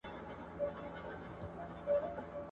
د زلمو ویني بهیږي د بوډا په وینو سور دی !.